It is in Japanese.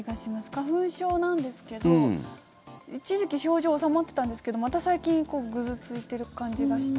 花粉症なんですけど、一時期症状収まってたんですけどまた最近ぐずついている感じがして。